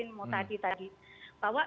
yang mengatakan bahwa